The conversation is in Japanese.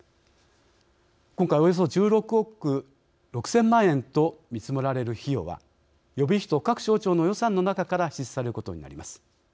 今回およそ１６億６０００万円と見積もられる費用は予備費と各省庁の予算の中から支出されることになります。